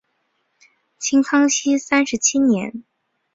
清康熙三十七年。